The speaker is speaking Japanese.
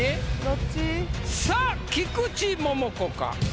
さあ菊池桃子か？